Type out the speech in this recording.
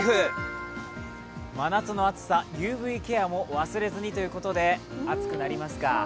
真夏の暑さ、ＵＶケアも忘れずにということで暑くなりますか？